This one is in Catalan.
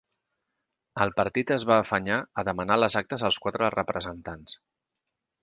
El partit es va afanyar a demanar les actes als quatre representants.